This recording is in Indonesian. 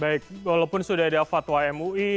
baik walaupun sudah ada fatwa mui